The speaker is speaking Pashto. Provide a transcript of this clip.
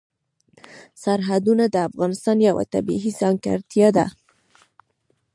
سرحدونه د افغانستان یوه طبیعي ځانګړتیا ده.